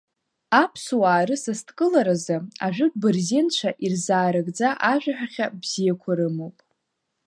Аԥсуаа рысасдкыларазы ажәытә бырзенцәа ирзаарыгӡа ажәаҳәахьа бзиақәа рымоуп…